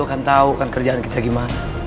kan tahu kan kerjaan kita gimana